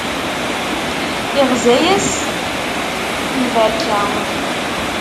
Iɣza-yas lberka.